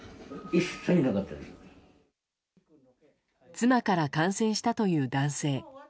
妻から感染したという男性。